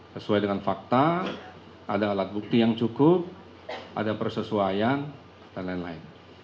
sesuai dengan fakta ada alat bukti yang cukup ada persesuaian dan lain lain